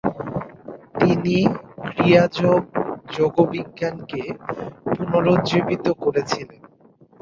তিনি ক্রিয়াযোগ যোগবিজ্ঞানকে পুনরুজ্জীবিত করেছিলেন।